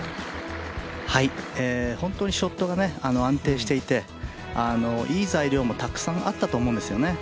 本当にショットが安定していていい材料もたくさんあったと思うんですよね。